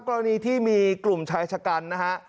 กรณีที่มีกลุ่มชายชะกันนะฮะ